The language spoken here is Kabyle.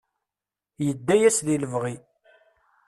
Yedda-yas di lebɣi.